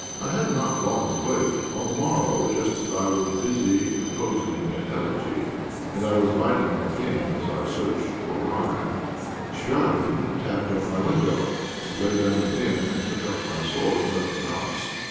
I had not to wait long. On the morrow, just as I was busy composing an elegy, and I was biting my pen as I searched for a rhyme, Chvabrine tapped at my window. I laid down the pen, and I took up my sword and left the house.